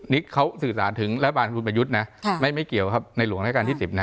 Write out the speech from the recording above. นี่เขาสื่อสารถึงรัฐบาลคุณประยุทธ์นะไม่เกี่ยวครับในหลวงราชการที่๑๐นะ